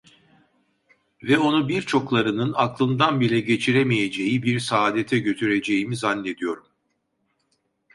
Ve onu birçoklarının aklından bile geçiremeyeceği bir saadete götüreceğimi zannediyorum.